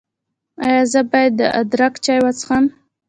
ایا زه باید د ادرک چای وڅښم؟